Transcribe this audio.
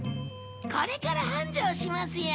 これから繁盛しますよ。